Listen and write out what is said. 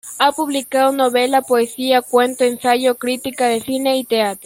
Ha publicado novela, poesía, cuento, ensayo, crítica de cine y teatro.